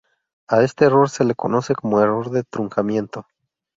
A este error se le conoce como error de truncamiento.